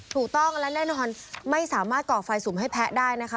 ถูกต้องและแน่นอนไม่สามารถก่อไฟสุ่มให้แพ้ได้นะคะ